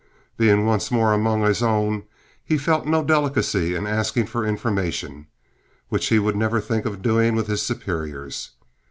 Being once more among his own, he felt no delicacy in asking for information which he would never think of doing with his superiors.